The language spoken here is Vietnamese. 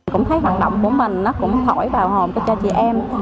cũng thấy hoạt động của mình nó cũng thổi vào hồn cho chị em